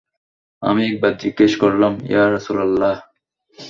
আমি একবার জিজ্ঞেস করলাম, ইয়া রাসূলাল্লাহ!